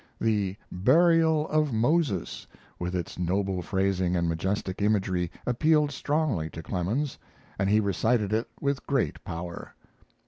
"The Burial of Moses," with its noble phrasing and majestic imagery, appealed strongly to Clemens, and he recited it with great power.